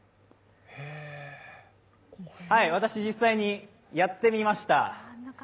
私、実際にやってみました。